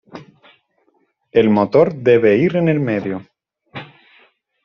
El motor debe ir en el medio.